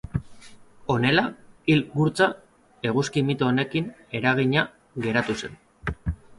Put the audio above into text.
Honela, hil gurtza, eguzki mito honekin eragina geratu zen.